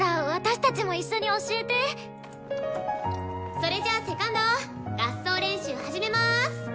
それじゃあセカンド合奏練習始めます。